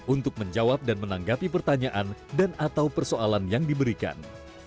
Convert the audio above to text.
untuk menjawab dan menanggapi pertanyaan dan atau persoalan yang diberikan